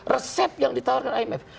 resep yang ditawarkan imf